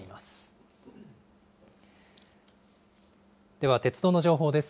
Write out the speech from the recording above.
では、鉄道の情報です。